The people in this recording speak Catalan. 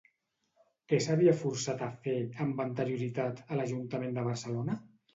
Què s'havia forçat a fer, amb anterioritat, a l'Ajuntament de Barcelona?